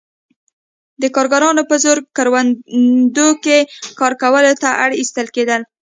دا کارګران په زور کروندو کې کار کولو ته اړ ایستل کېدل.